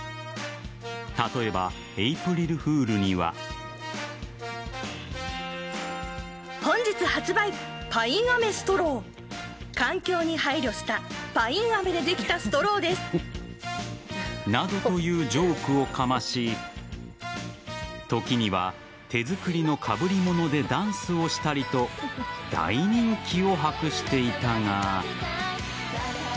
例えば、エイプリルフールには。などというジョークをかまし時には、手作りのかぶりものでダンスをしたりと大人気を博していたが。